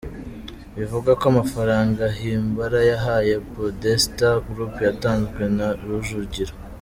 Bivugwa ko amafaranga Himbara yahaye Podesta Group yatanzwe na Rujugiro.